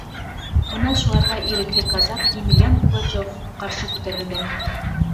Бына шуларға ирекле казак Емельян Пугачёв ҡаршы күтәрелгән.